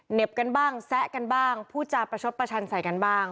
เห็บกันบ้างแซะกันบ้างพูดจาประชดประชันใส่กันบ้าง